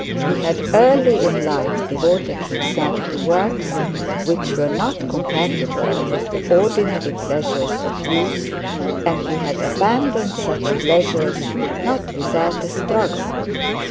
He had early in life devoted himself to works which were not compatible with the ordinary pleasures of youth, and he had abandoned such pleasures not without a struggle.